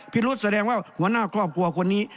รุษแสดงว่าหัวหน้าครอบครัวคนนี้